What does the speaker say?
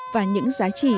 và những giá trị